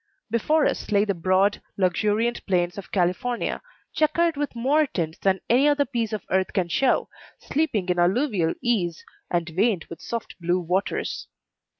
Before us lay the broad, luxuriant plains of California, checkered with more tints than any other piece of earth can show, sleeping in alluvial ease, and veined with soft blue waters.